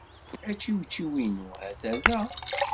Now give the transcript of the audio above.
Ačiwčiw-inu hata da.